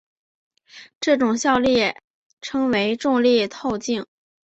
这种效应称为重力透镜。